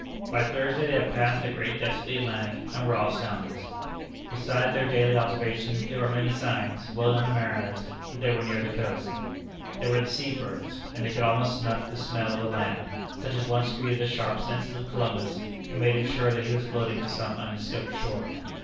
By Thursday they had passed the great depths of the Atlantic, and were off soundings. Besides their daily observations, there were many signs, well known to mariners, that they were near the coast. There were the sea birds, and they could almost snuff the smell of the land, such as once greeted the sharp senses of Columbus, and made him sure that he was floating to some undiscovered shore.